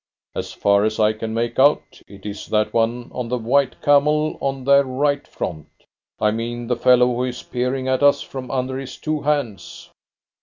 "As far as I can make out, it is that one on the white camel on their right front. I mean the fellow who is peering at us from under his two hands."